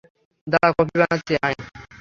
দাঁড়া কফি বানাচ্ছি, আয়।